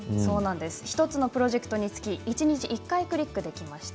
１つのプロジェクトにつき一日１回、クリックできます。